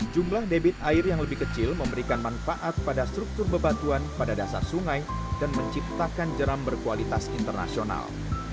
jumlah debit air yang lebih kecil memberikan manfaat pada struktur bebatuan pada dasar sungai dan menciptakan jeram berkualitas internasional